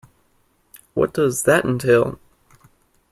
What does that entail?